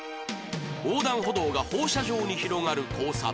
横断歩道が放射状に広がる交差点